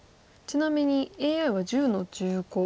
ちなみにＡＩは１０の十五。